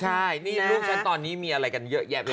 ใช่ลูกชายตอนนี้มีอะไรกันเยอะแยะไหม